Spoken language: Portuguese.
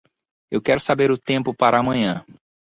Eu quero saber o tempo para amanhã.